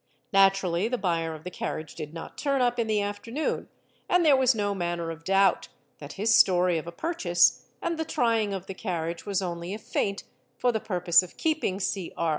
Naturally the buyer of the arriage did not turn up in the afternoon and there was no manner of loubt that his story of a purchase and the trying of the carriage was mly a feint for the purpose of keeping Or...